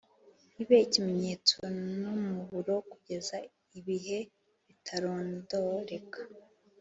ibe ikimenyetso n’umuburo kugeza ibihe bitarondoreka